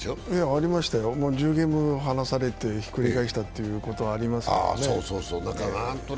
ありましたよ、もう１０ゲーム以上離されてひっくり返したことはありますからね。